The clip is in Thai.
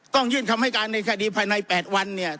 ต้องยื่นคำให้การในคดีภายใน๘วันเนี่ย